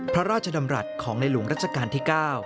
พระราชดำรัฐของในหลวงรัชกาลที่๙